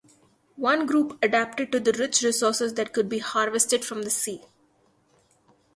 One group adapted to the rich resources that could be harvested from the sea.